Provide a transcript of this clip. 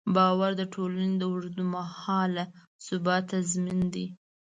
باور د ټولنې د اوږدمهاله ثبات تضمین دی.